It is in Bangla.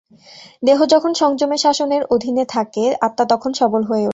দেহ যখন সংযমের শাসনের অধীন থাকে, আত্মা তখন সবল হয়ে ওঠে।